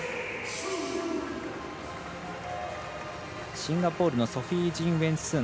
シンガポールのソフィージンウェン・スン。